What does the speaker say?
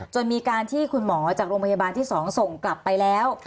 จนมีการที่คุณหมอจากโรงพยาบาลที่๒ส่งกลับไปแล้ว